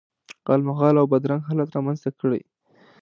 غالمغال او بد رنګ حالت رامنځته کړي.